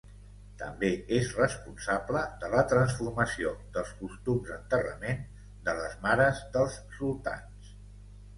També és responsable de la transformació dels costums d'enterrament de les mares dels sultans.